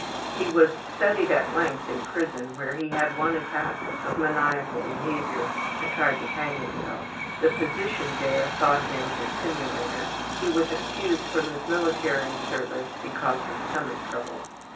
He was studied at length in prison where he had one attack of maniacal behavior and tried to hang himself. The physician there thought him a simulator. He was excused from his military service because of stomach trouble.